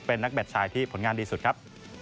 เป็นนักแบตชายที่ผลงานดีสุดครับ